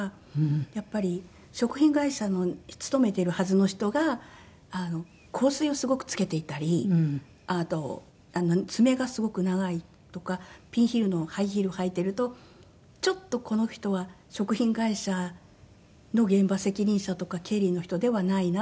やっぱり食品会社に勤めているはずの人が香水をすごくつけていたりあと爪がすごく長いとかピンヒールのハイヒールを履いているとちょっとこの人は食品会社の現場責任者とか経理の人ではないな。